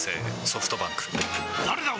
ソフトバンク。